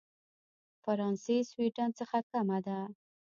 فرانسې سوېډن څخه کمه ده.